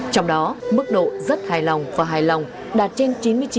trong đó mức độ rất hài lòng và hài lòng đạt trên chín mươi chín